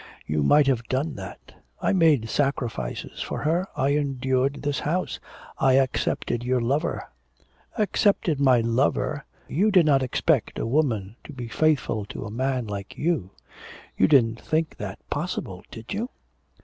You might have done that. I made sacrifices for her; I endured this house; I accepted your lover.' 'Accepted my lover! You did not expect a woman to be faithful to a man like you.... You didn't think that possible, did you?'